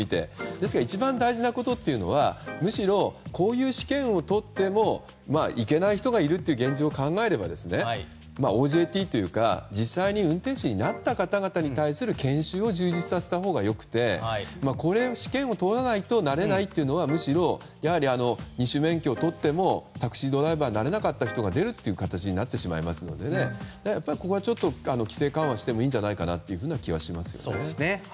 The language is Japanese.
だから、一番大事なことはむしろこういう試験をとっても行けない人がいるという現状を考えればＯＪＴというか実際に運転手になった方々に対する研修を充実させるのがよくて試験を通らないとなれないというのはむしろ、二種免許をとってもタクシードライバーになれない方が出るということでやっぱりここは規制緩和してもいい気がしますね。